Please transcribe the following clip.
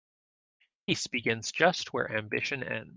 Peace begins just where ambition ends.